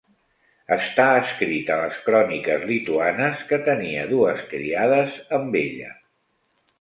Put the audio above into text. Està escrit a les Cròniques Lituanes que tenia dues criades amb ella.